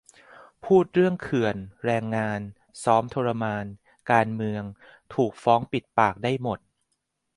พูดเรื่องเขื่อน แรงงาน ซ้อมทรมาน การเมือง ถูก ฟ้องปิดปาก ได้หมด